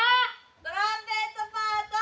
トランペットパート。